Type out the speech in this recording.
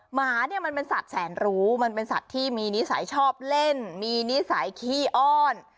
หมาเนี่ยมันเป็นสัตว์แสนรู้มันเป็นสัตว์ที่มีนิสัยชอบเล่นมีนิสัยขี้อ้อน